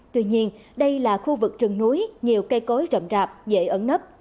tuy nhiên đây là khu vực trần núi nhiều cây cối rậm rạp dễ ẩn nấp